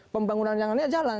pembangunan yang lainnya jalan